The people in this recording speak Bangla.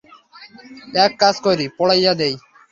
এক কাজ করি, পোড়াইয়া দেই।